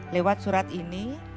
lewat surat ini